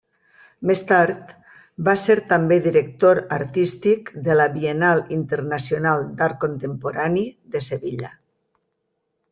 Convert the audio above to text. Més tard va ser també director artístic de la Biennal Internacional d'Art Contemporani de Sevilla.